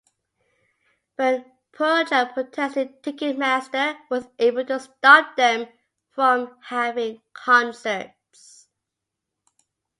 When pearl jam protested, ticketmaster was able to stop them from having concerts.